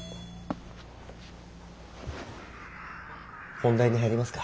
本題に入りますか。